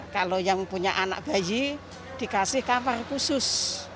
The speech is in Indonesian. kalau yang punya anak bayi dikasih kamar khusus